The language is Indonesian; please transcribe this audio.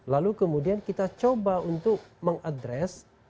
lalu kemudian kita coba untuk meng address